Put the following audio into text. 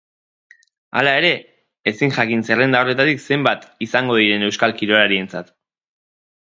Hala ere, ezin jakin zerrenda horretatik zenbat izango diren euskal kirolarientzat.